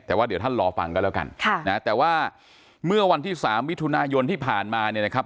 แต่ว่าเดี๋ยวท่านรอฟังกันแล้วกันค่ะนะแต่ว่าเมื่อวันที่สามมิถุนายนที่ผ่านมาเนี่ยนะครับ